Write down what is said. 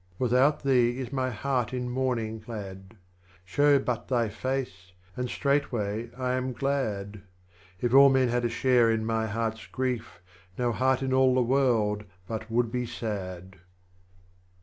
29. AVithout thee is my Heart in Mourning clad, Show but thy Face, and straightway I am glad ; If all men had a share in my Heart's Grief, No Heart in all the World but would be sad.